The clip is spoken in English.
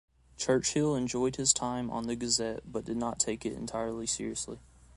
Churchill enjoyed his time on the "Gazette" but did not take it entirely seriously.